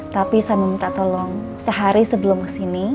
tapi saya meminta tolong sehari sebelum ke sini